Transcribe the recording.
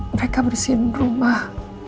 mereka bersihin rumah